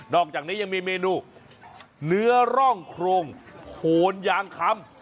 อกจากนี้ยังมีเมนูเนื้อร่องโครงโคนยางคำ